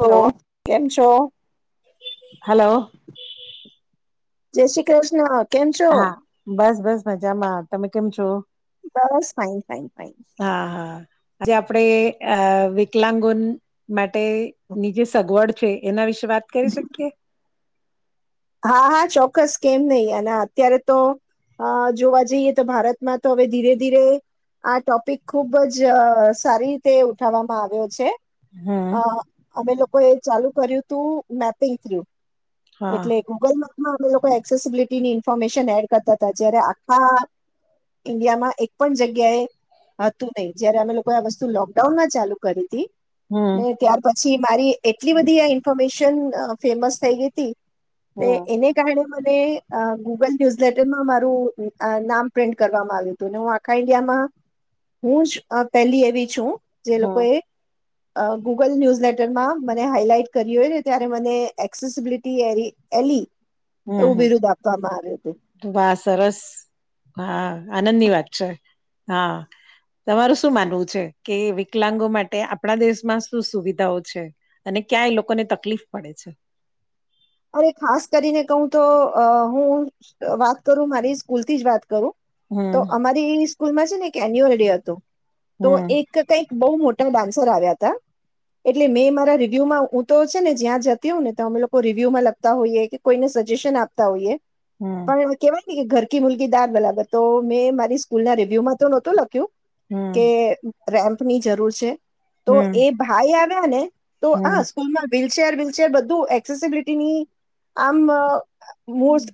Hello કેમ છો hello જય શ્રી કૃષ્ણ કેમ છો? હા બસ બસ મજામાં તમે કેમ છો બસ સાઈન સાઈન ફઈ હા હા આજે આપડે અ વિકલાંગન માટે ની જેે સગવડ છે એના વિશે વાત કરી શકીએ હા હા ચોક્કસ કેમ નહીિ અનેના અત્યારે તો અ જોવા જઈએ તો ભારતમાં તો હવે ધીરે ધીરે આ ટોપિક ખુબ જ સારી રીતે ઉઠાવવામાં આવ્યો છે હમ અ અમે લોકો એ ચાલુ કર્યું તું નાપ તર્યું હમ એટલે ગુગલ મેપમાં અમે લોકો એક્સેસિબિલિટીની ઇન્ફોર્મેશન એડ કરતા હતા જયારે આખા ઇન્ડિયા માં એક પણ જગ્યાએ હતું નહી જયારે અમે લોકો આ વસ્તુ લોકડાઉન માં ચાલુ કરી હતી હમ ને ત્યાર પછી મારી એટલી બધી આ ઇન્ફોર્મેશન ફેમસ થઈ ગઈ હતી તે હમ એને કહણે ને ગૂગલ ન્યુઝ લેટરમાં મારું નામ પ્રિન્ટ કરવામાં આવ્યું હતું હું આખા ઇન્ડિયા હું પહેલી એવી છું જે લોકોએ ગૂગલ ન્યૂઝ લેટરમાં મને હાાઈલાઈટ કરી હોયને ત્યારે મને એક્સેસબિલિટી એ એલી હમ હમ આવ્યું હતું બ સરસ હા આનંદની વાત છે હા તમારું શું માનવું છે કે વિકલાંગો માટે આપણા દેશમાં શું સુવિધાઓ છે અને ક્યાંય લોકોને તકલીફ પડે છે અરે ખાસ કરીને કહું તો હું વાત કરું મારી સ્કૂલ થી જ વાત કરું તો હમ અમારી સ્કૂલમાં છે ને એક એન્યુઅલ ડે હતું તો હમ એક કઈક બહ મોટું ડન્સર આવ્યા હતા એટલે મેં મારા રિવ્યુ માં હું તો છે ને જ્યાં જતી હો ને અમે લોકો વ્યુ માં લગતા હોઈએ કે કોઈને સજેશન આપતા હોઈએ હમ પણ કેવાય ઘર ક મુલકી દાર બરાબર તો મેં મારી સ્કૂલ ના રિવ્યુ માં તો નહોતું લખ્યું કે હમ રેમ્પ ની જરૂર છે તો હમ એ ભાઈ આવ્યા ને તો હમ હ સ્કૂલમાં વ્હીલચેર વ્હીલચેર બધું એક્સેસબિલટી [unintelligible] આમ મોસ્ટ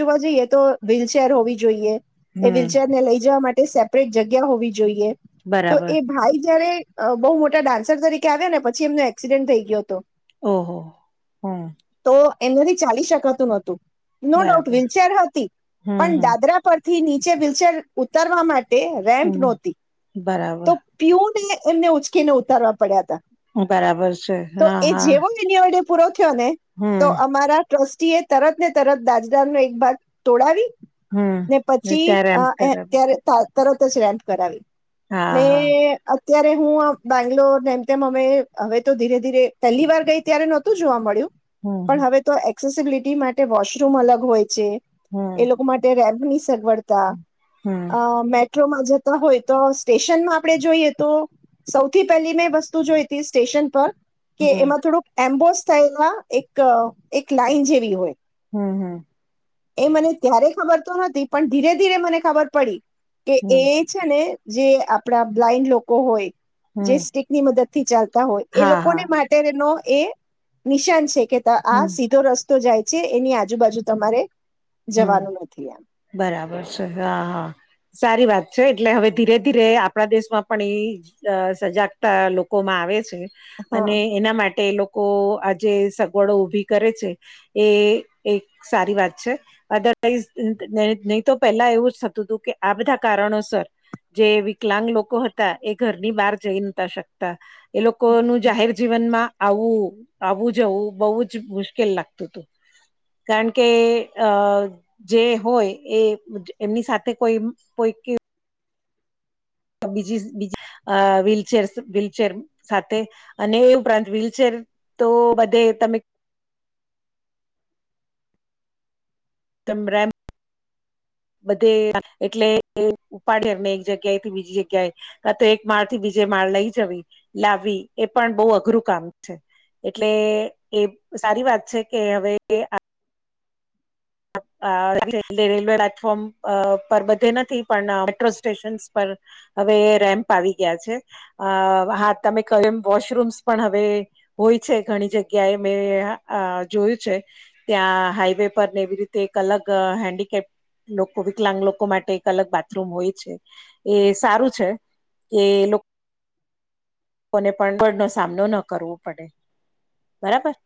જોવા જઈએ તો વ્હીલચેર હોવી જોઈએ એ હમ. વ્હીલચેર ને લઈ જવા માટે તે સેપરેટ જગ્યા હોવી જોઈએ તો બરાબર એ ભાઈ જયારે બહુ મોટા ડાન્સર તરીકે આવ્યા ને પછી એમનો એક્સિડેન્ટ થઈ ગયો હતો. ઓહ હમ્મ એનેથી ચાલી શકાતું નતું નો ડાઉટ બરાબર વ્હીલચેર હતી હમ પણ હમ દાદરા પર થી નીચે ભીલચર ઉતારવા માટે રેમ્પ હમ નહોતી બરાબર તો પીુને એમને ઉચકીને ઉતારવા પડ્યા હતા બરાબર છે તો હા એ હા જેવો એની વડે પૂરો થયો ને તો હમ અમારા ટ્રસ્ટી તરત ને તરત દાજદાર નો એક ભાગ તોડાવી હમ ને પછી ત્યારે એમ કરાવે ત્યારે તરત જ રેમપ કરાવી હા ને હા અત્યારે હું બેંગ્લોર એમ તેમ અમે હવે તો ધીરે ધીરે પહેલી વાર ગઈ ત્યારે નહોતું જોવા મળ્યું. પણ હમ હવે તો એક્સેસબિલિટી માટે વોશરૂમ અલગ હોય છે હમ એ લોકો માટે રેમ ની સગવડતા હમ અ મેટ્રોમાં જતા હોય તો સ્ટેશનમાં આપણે જોઈએ તો સૌથી પહેલી મેં વસ્તુ જોઈ હતી સ્ટેશન પર કે હમ એમાં થોડુંક એમ્બોસ થઇ એક એક લાઈન જેવી હોય હમ હમ એ મને ત્યારે ખબર તો નતી પણ ધીરે ધીરે મને ખબર પડી કે એ હમ છે ને જે આપણા બ્લાઈન્ડ લોકો હોય જે હમ સ્ટક ની મદદ થી ચાલ હોય એ હા લોકોને હા માટેનો એ નિશાન છે કે આ હમ સીધો રસ્તો તો જાય છે એની આજુબાજુ તમારે હમ્મ જવાનું નથી એમ બરાબર છે હા હા. સારી વાત છે એટલે હવે ધીરે ધીરે આપણા દેશમાં પણ એઈ સજાગતા લોકોમાં આવે છે. હા. અને એના માટે લોકો લોકો આજે સગવડો ઉઊભી કરે છે એ એક સારી વાત છે. અદરવાઈઝ નહી તો પહેલા એવું જ થતું હતું કે આ બધા કારણોસર જે વિકલાંગ લોકો હતા એ ઘરની બહાર જઈ નતા શકતા. એ લોકો નું જાહેર જીવનમાં આવું આવું જવું બઉુ જ મુશ્કેલ લાગતું હતું કારણ કે અ જે હોય એ એમની સાથે કોઈ કોઈ બીજી બીજી વ્હીલચેર વ્હીલચેર સાથે અને એ ઉપરાંત વ્હીલચેર તો બધે તમે તમ રેમ બધે એટલે ઉપાડ એમને એક જગ્યાએ થી બીજી જગ્યાએ કા તો એક માળ થી બીજે માળ લઈ જવી લાવવી એ પણ બહુ અઘરું કામ છે. એટલે એ સારી વાત છે કે હવે રેલવે પ્લેટફોર્મ પર બધે નથી પણ મેટ્રો સ્ટેશનસ પર હવે રેમ્પ આવી ગયા છે અ હા તમે કહ્યું એમ વોશરૂમ્સ પણ હવે હોય છે ઘણી જગ્યાએ મેં જોયું છે ત્યાં હાઈવે પર ને એવી રીતે તે એક અલગ હેન્ડીકેપ લોકો વિકલાંગ લોકો માટે એક અલગ બાથરૂમ હોય છે એ સારું છે. એ લોકો કોને પગળનો સામનો ન કરવો પડે બરાબર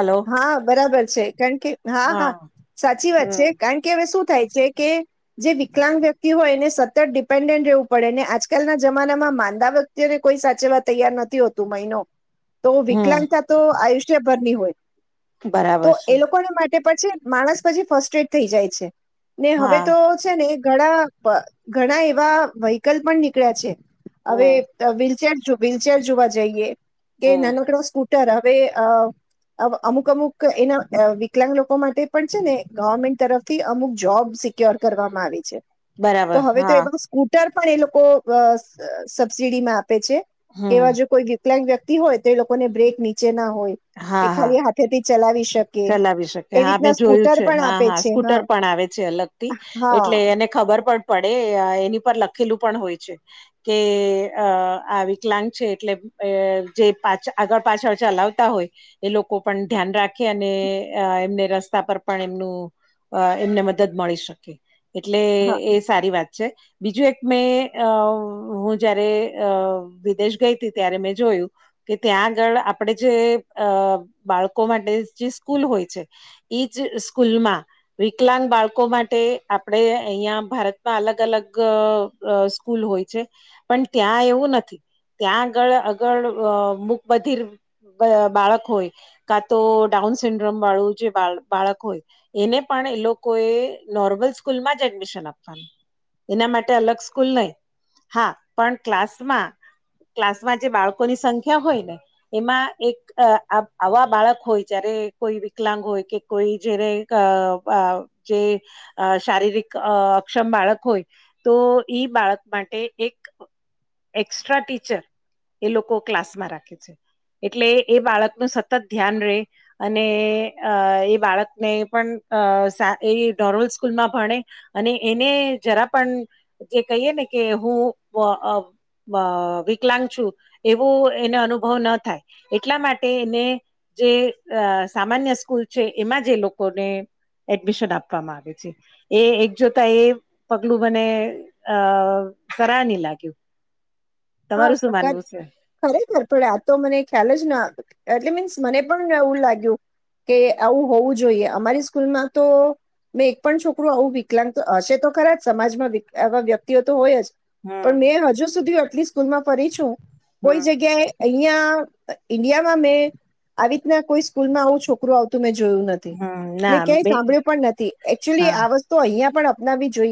હલો હા બરાબર છે કારણ કે હા હા સાચી વાત છે હમ કારણ કે હવે શું થાય છે કે જે વિકલાંગ વ્યક્તિ હોય એને સતત ડિપેન્ડન્ટ રહેવું પડે આજકાલના જમાનામાં માંદા વત્યારે કોઈ સાચવા તૈયાર નથી હોતું મહિનો તો હમ વિકલાંગતા તો આયુષ્યભરની હોય તો બરાબર છે એ લોકોને માટે પછી માણસ પછી ફસ્ટ એડ થઈ જાય છે ને હવે હા તો છે ને ઘણા ઘણા એવા વ્હીકલ પણ નીકળ્યા છે હવે હમ વ્હીલચેર વ્હીલચેર જોવા જઈએ કે હમ નાનો કે નો સ્કૂટર હવે અમુક અમુક એના વિકલાંગ લોકો માટે પણ છે ને ગવર્મેન્ટ તરફથી અમુક જોબ્ આવી તો બરાબર હ હા સ્ટ એ લોકો સબસિડીમાં આપે છે હમ કેવા જો કોઈ વિકલાંગ વ્યક્તિ હોય તો લોકોને બ્રેક નીચે ના હોય એ હા હા ખાલી હાથે થી ચલાવી શ. ચલાવી શકે હા મેં જોયું છે પણ હા આપે હા છે સ્કૂટર પણ આવે છે અલગથી એટલે એને ખબર પડતી. પડે એની પર લખેલું પણ હોય છે કે આ વિકલાંગ છે એટલે જે પા આગળ પાછળ ચલાવતા હોય એ લોકો પણ ધ્યાન રાખે અને એમને રસ્તા પર પણ એમનું એમને મદદ મળી શકે એટલે હા હા એ સારી વાત. બીજું એક મેં હું જયારે વિદેશ ગઈ હતી ત્યારે મેં જો. કે ત્યાં આગળ આપણેે જે અ બાળકો માટે સ્કૂલ હોય છે એજ સ્કૂલમાં વિકલાંગ બાળકો માટે આપણે અહિયાં ભારતમાં અલગ અલગ સ્કૂલ હોય છે પણ ત્યાં એવું નથી. ત્યાં આગળ આગળ મુૂક બધીર બાળક હોય કા તો. ડાઉન સિન્ડ્રોમ વાળું જે બાળક હોય એને પણ એ લોકો એ નોર્મલ સ્કૂલમાં જ. એના માટે અલગ સ્કૂલ નહી હા પણ ક્લાસમાં. ક્લાસમાં જે બાળકોની સંખ્યા હોય ને એમાં એક આવા બાળક હોય. જયારે કોઈ વિકલાંગ હોય કે કોઈ જને જે શારીરિક અક્ષમ બાળક હોય તો ઈ બાળક માટે એક એક્સ્ટ્રા ટીચર એ લોકો ક્લાસમાં રાખે છે એટલે એ બાળકનુંું સતત ધ્યાન રે અને અ એ બાળકને પણ એ ધોરોલ સ્કૂલમાં ભણે. અને એને જરા પણ જે કહીએ ને કે હું. અ વિકલાંગ છું એવું એને અનુભવ ન થાય એટલા માટે એને જે સામાન્ય સ્કૂલ છે એમાં જે લોકોને એડમિશન આપવામાં આવે છે એ એક જોતા એ પગલું મને અ. કરરાની લાગું. હા ખરેખર પણડ આતો મને ખ્યાલ જ ના એટલે મીન્સ મને પણ એવું લાગ્યું કે હ આવું હોવું જોઈએ અમારી સ્કૂલમાં તો. મેં એક પણ છોકરું આવું વિકલાંગ તો હશે તો ખરા જ સમાજમાં એવા વ્યક્તિઓ તો હોય જ. પણ હમ મેં હજુ સુધી આટલી સ્કૂલમાં પરી છું હમ કોઈ જગ્યાએ અહિયાં ઈન્ડિયામાં મેં આવી રીતના કોઈ સ્કૂલમાં આવું છોકરું આવતું મે. જોયું નથી હમ ને ના ક્યાંય બે સાંભળ્યું પણ નથી એકચુલી હા આ વસ્તુ અહિયાં પણ અપનાવી જો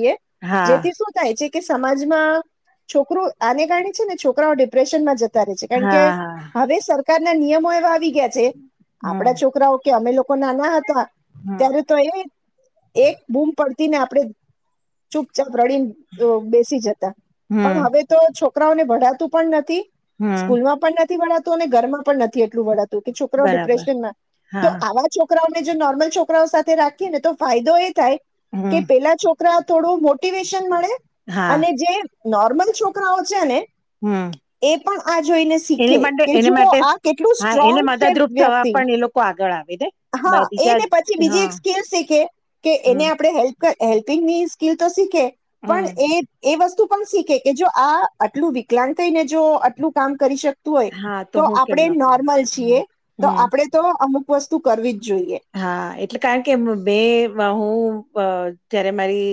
હા જેથી શું થાય છે કે સમાજમાં છોકરો આને કારણે ને છોકરાઓ ડિપ્રેશનમાં જતા રહે છે કારણ કે હા હા હવે સરકારના નિયમો એવા આવી ગયા છે. આપડા હમ છોકરાઓ કે અમે લોકો નાના હતા. હમ ત્યારે તો એ એક બૂમ પડતી ને આપણેે ચૂપ. રડી બેસી જતા પણ હમ હવે તો છોકરાઓને ભણાતું પણ નથી. હમ સ્કૂલ માં પણ નથી ભણાતું અને ઘરમાં પણ નથી. તું કે છોકરાઓ બરાબર ડિપ્રેશનમાં તો હા આવા છોકરાઓને જે નોર્મલ છોકરાઓ સાથે રાખીને તો ફાયદો એ થાય હમ કે પેલા છોકરા થોડું મોટિવેશન મળે. હા અને જે નોર્મલ છોકરાઓ છે ને. હમ. એ પણ આ જોઈને એની શીખે માટે કે એને જુઓ માટે આ કેટલું હા એને સ્ટ્રોંગ છે મદદરૂપ થવા વ્યક્તિ પણ એ લોકો આગળ આવે. ને હા બા- બીજા એને પછી બીજી હા એક સ્કીલ શીખે કે હમ એને આપડણે હેલ્પ હેલ્પિંગ ની સ્કીિલ તો સીખે હમ પણ એ વસ્તુ. તું પન શીખે કે જો આ આટલું વિકલાંગ થઈને જો આટલું કામ કરી શકે હોય હા તો હું કેમ ન આપણે કહું નોર્મલ હમ છીએ તો હમ આપણેે તો અમુક વસ્તુ કરવી જ. જોઈએ હા એટલે કારણ કે બે હું જ્યારે મારી.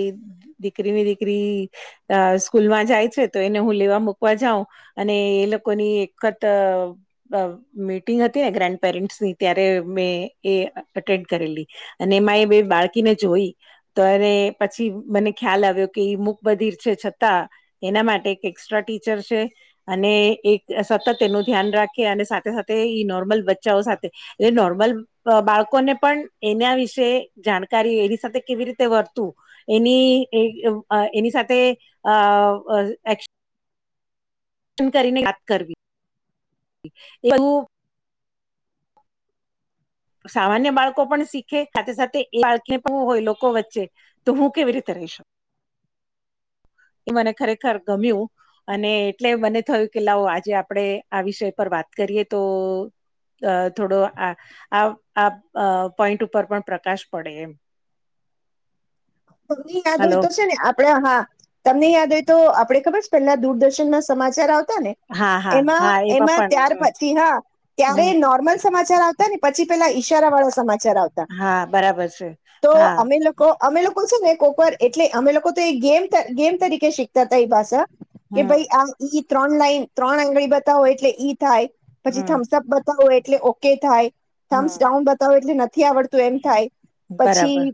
દીકરી ની દીકરી અ સ્કૂલમાં જાય છે તો એને હું લેવા મુૂકવા જાઉં અને એ લોકોની એકત અ મીટિંગ હતી ને ગ્રેન્ડ પેરેન્ટ્સની ત્યારે મેં એ અટેન્ડ કરેલી અને એમાં એ બે બાળકીને જોઈ તો પછી મને ખ્યાલ આવ્યો મુક બધીર છે છતાં એના માટે એક એસ્ટ્રા ટીચર છે અને એક સતત એનું ધ્યાન રાખે અને સાથે સાથે નોર્મલ બચ્ચાઓ સાથે એટલે નોર્મલ બાળકો કોને પણ એના વિશે જાણકારી એની સાથે કેવી રીતે વર્તું એની એ અ એની સાથે અ એ કરીને વાત કરવી એવું સામાન્ય બાળકો પણ શીખે સાથે સાથે એ બાળકને પણ હોય લોકો વચ્ચે તો હું કેવી રીતે રહીશ હ એ મને ખરેખર ગમ્યું અને એટલે મને થયું કે લાવો આજે આપણે આ વિષય પર વાત કરીએ તો અ થોડો આ આ આ પોઈન્ટ ઉપર પણ પ્રકાશ પડે એમ ની યાદ હોય હલો તો છે ને આપડે હા તમને યાદ હોય તો આપડે ખબર છે પેલા દૂરદર્શન ના સમાચાર આવતા ને હા હા હા એમાં પણ ત્યાર હમ પછી હા ત્યારે હમ નોર્મલ સમા ચાર આવતા ને પછી પેલા ઈશારા વાળા સમાચાર આવતા હા બરાબર છે તો હા અમે લોકો અમે લોકો છે ને કોપર એટલે અમે લોકો તો એ ગેમ ગેમ તરીકે શીખતા હતા એ ભાષા કે ભાઈ હમ આ ઈ ત્રણ લાઈન ત્રણ આંગળી બતાવો એટલે ઈ થાય પછી હમ થમ્સ અપ બતાવો એટલે ઓકે થાય થમ્સ હમ ડાઉન બતાવો એટલે ન થી આવડતું એમ થાય પછી બરાબર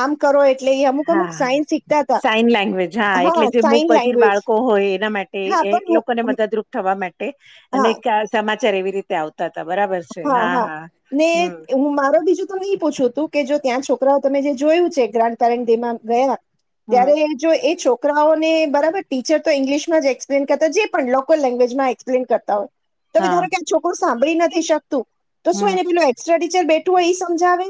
આમ કરો એટલે એ અમુક અમુક હા સાઈન શીખતા હતા સાઈન લેંગ્વેજ હા એટલે જે મૂખ સાઈન બધીર લેંગ્વેજ બાળકો હોય એના માટે હા એ પણ લોકોને હું મદદરૂપ થવા માટે હા અને સમાચાર એવી રીતે આવતો હા હા ને હમ હું મારો બીજું તો નહી પૂછું તું કે જો ત્યાં છોક છોકરાઓ તમે જે જોયું છે ગ્રાન્ડ પેરેેમાં ગયા હમ ત્યારે જો એ છો છોકરાઓને બરાબર ટીચર તો ઈંગ્લિશ જ એક્સપ્લેન કરતા જે પણ લોકલ લેંગવેજ માં એક્પ્લેન કરતા હોય તો હા ધારો ક છોકરું સાંભળી નથી શકતું તો શું હમ એને પેલું એસ્ટ્રા ટીચર બેઠું હોય સમજાવે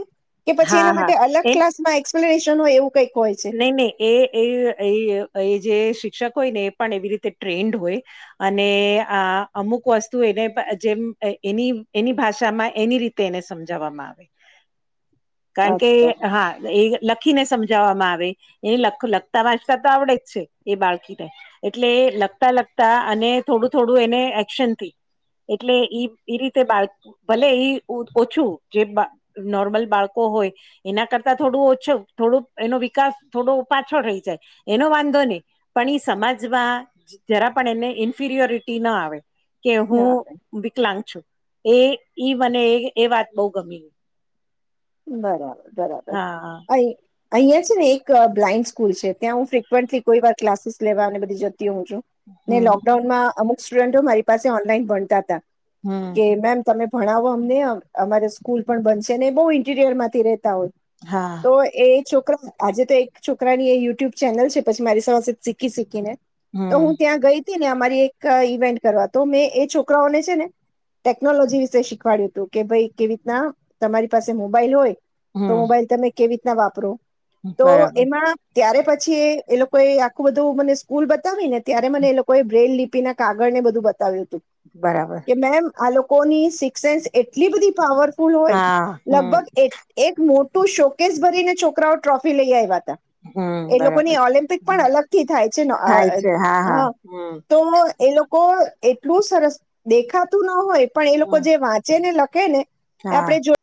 કે પછી હા એના હા માટે અલગ એ ક્લાસમાં એક્સપ્લેનેશન હોય એવું કંઈક હોય છે. નહી નહી એ એ એ એ જે સી શિક્ષક હોય ને એ પણ એવી રીતે ટ્રેન્ડ હોય અને આ અમુક વસ્તુ એને પણ જેમ એની એની ભાષામાં એની રીતે એને સમજાવવામાં આવે કારણ કે અચ્છા. હા એ લખીને સમજાવવામાં આ વે લખતા વાંચતા તો આવડે જ છે એ બાળકીને એટલે લખતા લખતા અને થોડું થોડું એને એક્શન થી એટલે ઈ રીતે બાળ ભલે એ ઓછું જે નોર્મલ બાળકો હોય એના કરતા થોડું ઓછ થોડું એ વિકાસ થોડો પાછો રહી જાય એનો વાંધો નહી પણ એ સમાજમાં જરા પણ એને ઇન્ફિરિયોરિટી ના આવે કે હું ના, વિકલાંગ છું એ ઈ મને એ વાત બહુ ગમે બરાબર બરાબર હા અ અહિયા છે ને એક બ્લાઈન્ડ સ્કૂલ છે. ત્યાં હું ફ્રિકવેન્ટલી કોઈ વાર ક્લાસીસ લેવા અને બધી જતી હું છું ને હમ લોકડાઉનમાં અમુ સ્ટુડન્ટો મારી પાસે ઓનલાઈન ભણતા હતા હમ કે મેમ તમે ભણાવો અમને અમારે સ્કૂલ પણ બનશે ને બહુ ઇન્ટીરિયર થી ર રહે તા ઓ હા તો એ આજે તો એક છોકરાની એ યુટ્યુબ ચેનલ છે પછી મારી સાથેસે શીખી શીખી ને તો હમ હું ત્યાં ગઈ હતી ને અમારી એક ઇવેન્ટ કરવા તો મેં એ છોકરાઓને છે ને ટેકનોલોજી વિશે શીખવાડ્યું હતું કે ભાઈ કેવી રીતના તમારી પાસે મોબાઈલ હોય હમ તો મોબાઈલ તમે કેવી રીતના વાપરો તો બરાબર એમાં ત્યારે પછી પછી એ લોકો એ આખું બધું મને સ્કૂલ બતાવી ને ત્યારે મને એ લોકોએ બ્રેન લ તેના કાગળ ને બધું બતાવ્યું હતું બરાબર કે મેમ આ લોકોની સિકસ સેન્સ એટલી બધી પાવરફુલ હોય હા હમ લગભગ એક મોટું શોકેસ ભરીને છોકરાઓ ટ્રોફી લઈ આવ્યા તા હમ એ બરાબર લોકોની છે ઓલિમ્પિક હમ પણ અલગ થી થાય છે થાય છે હા હમ તો એ લોક લોકો એટલું સરસ દેખાતું ન હોય પણ એ લોકો હમ જે વાંચે ને લખે ને હા આપડે જો